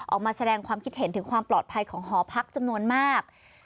ออกมาแสดงความคิดเห็นถึงความปลอดภัยของหอพักจำนวนมาก